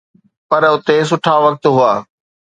پر اتي سٺا وقت هئا.